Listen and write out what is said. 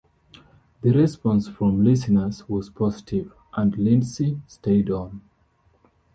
The response from listeners was positive, and Lindsey stayed on.